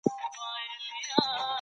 ښه ښوونه د ماشومانو خلاقیت لوړوي.